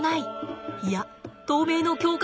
いや透明の強化